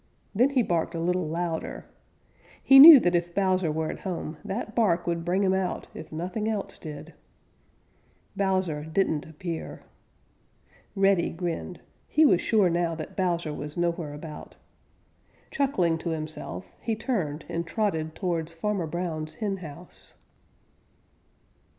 Then he barked a little louder. He knew that if Bowser were at home, that bark would bring him out if nothing else did. Bowser didn't appear. Reddy grinned. He was sure now that Bowser was nowhere about. Chuckling to himself, he turned and trotted towards Farmer Brown's henhouse.